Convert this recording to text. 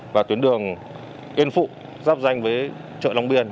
và tuyến đường yên phụ giáp danh với chợ long biên